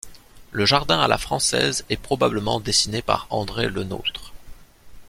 Le jardin à la française est probablement dessiné par André Le Nôtre.